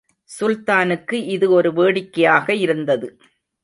சுல்தானுக்கு இது ஒரு வேடிக்கையாக இருந்தது.